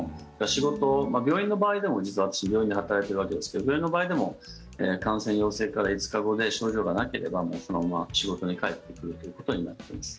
仕事、病院の場合でも実は私病院で働いているわけですけども病院の場合でも感染陽性から５日後で症状がなければそのまま仕事に帰ってくるということになっています。